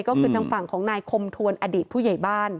ก็คือทางฝั่งของนายคมทวนอดีตผู้ใหญ่บ้าน